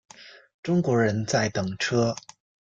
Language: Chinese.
中国人在等车